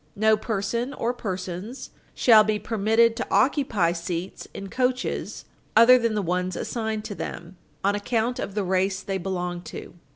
No person or persons, shall be admitted to occupy seats in coaches other than the ones assigned to them on account of the race they belong to."